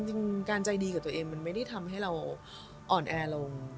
จริงการใจดีกับตัวเองมันไม่ได้ทำให้เราอ่อนแอลง